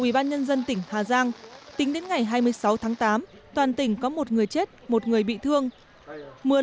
ubnd tỉnh hà giang tính đến ngày hai mươi sáu tháng tám toàn tỉnh có một người chết một người bị thương mưa